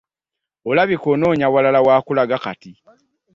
Olabika onoonya walala wa kulaga kati.